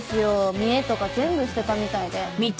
見えとか全部捨てたみたいで。